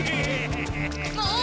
もう！